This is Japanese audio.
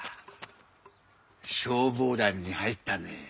消防団に入ったね。